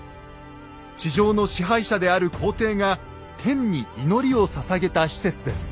地上の支配者である皇帝が天に祈りをささげた施設です。